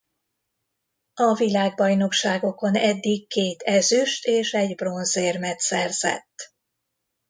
A világbajnokságokon eddig két ezüst- és egy bronzérmet szerzett.